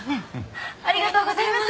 ありがとうございます！